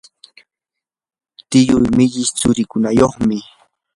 tiyuu millish tsurikunayuqmi.